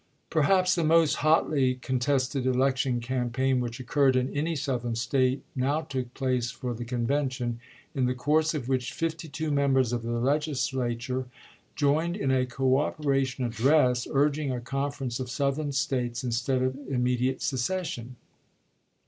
Perhaps the most hotly contested election cam paign which occurred in any Southern State now took place for the convention, in the course of which fifty two members of the Legislature joined in a " cooperation " address, urging a conference of Southern States instead of immediate secession.